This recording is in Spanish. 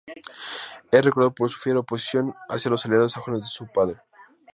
Es recordado por su fiera oposición hacia los aliados sajones de su padre.